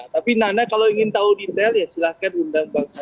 tapi nana kalau ingin tahu detail ya silahkan undang bangsa